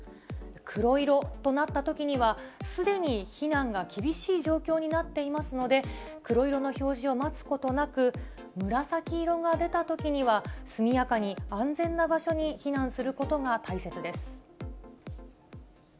黒色となったときには、すでに避難が厳しい状況になっていますので、黒色の表示を待つことなく、紫色が出たときには、速やかに安全な場所に避難することが大切です。